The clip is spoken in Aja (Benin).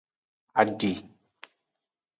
Adi.